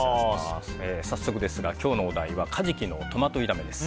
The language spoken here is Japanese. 早速ですが今日のお題はカジキのトマト炒めです。